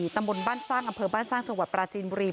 ตำบลบ้านสร้างอำเภอบ้านสร้างจังหวัดปราจีนบุรี